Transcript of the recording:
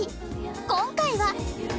今回は